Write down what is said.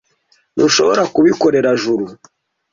Ntushobora kubikorera Juru.